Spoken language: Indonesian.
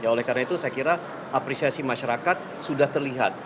oleh karena itu saya kira apresiasi masyarakat sudah terlihat